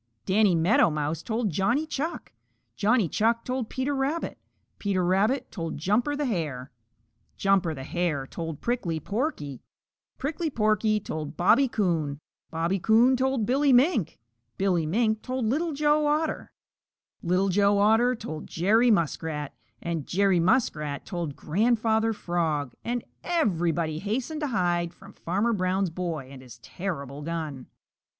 Danny Meadow Mouse told Johnny Chuck; Johnny Chuck told Peter Rabbit; Peter Rabbit told Jumper the Hare; Jumper the Hare told Prickly Porky; Prickly Porky told Bobby Coon; Bobby Coon told Billy Mink; Billy Mink told Little Joe Otter; Little Joe Otter told Jerry Muskrat, and Jerry Muskrat told Grandfather Frog. And everybody hastened to hide from Farmer Brown's boy and his terrible gun.